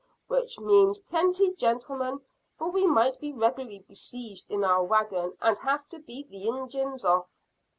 "Which means plenty, gentlemen, for we might be regularly besieged in our wagon, and have to beat the Injuns off."